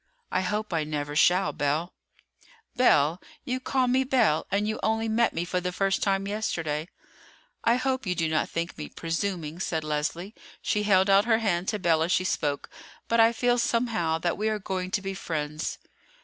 "I hope I never shall, Belle." "Belle! You call me Belle, and you only met me for the first time yesterday!" "I hope you do not think me presuming," said Leslie—she held out her hand to Belle as she spoke—"but I feel somehow that we are going to be friends."